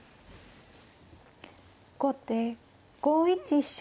後手５一飛車。